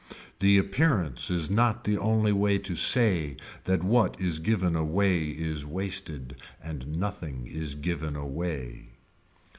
The appearance is not the only way to say that what is given away is wasted and nothing is given away.